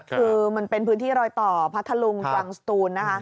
คือมันเป็นพื้นที่รอยต่อพัทธลุงตรังสตูนนะคะ